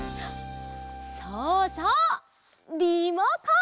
そうそうリモコン！